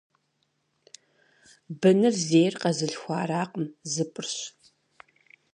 Быныр зейр къэзылъхуаракъым - зыпӏырщ.